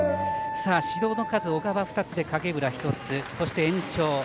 指導の数、小川２つで影浦１つ、そして延長。